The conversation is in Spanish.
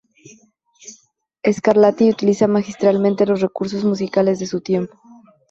Scarlatti utiliza magistralmente los recursos musicales de su tiempo.